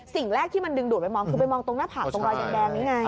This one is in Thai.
สิ่งแรกที่มันดึงดูดไปมองคือไปมองตรงหน้าผากตรงรอยแดงนี้ไง